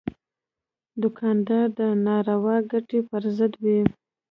دوکاندار د ناروا ګټې پر ضد وي.